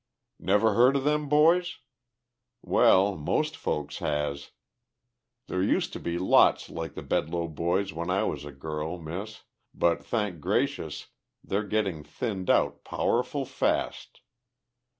Never heard of them boys? Well, most folks has. There used to be lots like the Bedloe boys when I was a girl, Miss, but thank gracious they're getting thinned out powerful fast.